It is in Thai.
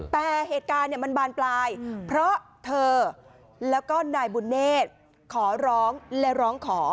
แต่เหตุการณ์มันบานปลายเพราะเธอแล้วก็นายบุญเนธขอร้องและร้องขอ